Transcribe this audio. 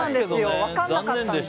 分からなかったので。